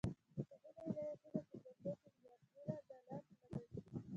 متحده ایالاتو په جګړو کې میلیارډونه ډالر لګولي.